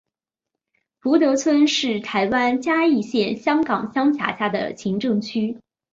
福德村是台湾嘉义县新港乡辖下的行政区。